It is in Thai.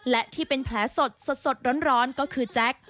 และที่เป็นแผลสดร้อนก็คือแจ๊ค